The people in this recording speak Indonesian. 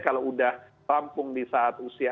kalau udah rampung di saat usia